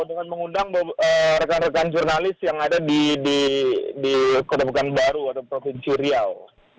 dengan mengundang rekan rekan jurnalis yang ada di kota pekanbaru atau provinsi riau